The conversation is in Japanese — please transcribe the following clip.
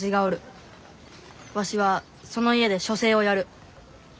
わしはその家で書生をやる。